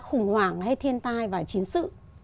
khủng hoảng hay thiên tai và chiến sự